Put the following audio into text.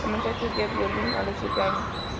Comenzó a estudiar violín a los seis años.